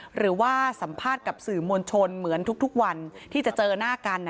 หรือว่าสัมภาษณ์กับสื่อมวลชนเหมือนทุกวันที่จะเจอหน้ากัน